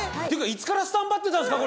いつからスタンバってたんですか？